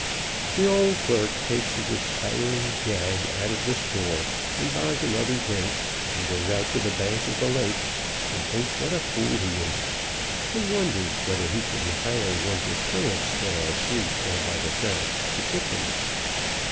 The old clerk takes his expiring jag out of the store, and buys an other drink, and goes out to the bank of the lake, and thinks what a fool he is, and wonders whether he couldn't hire one of the tramps that are asleep down by the track to kick him.